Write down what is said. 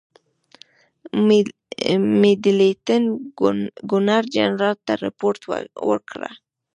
میډلټن ګورنرجنرال ته رپوټ ورکړ.